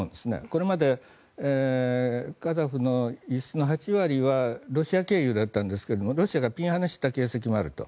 これまで、カザフの輸出の８割はロシア経由だったんですがロシアがピンはねしてた形跡もあると。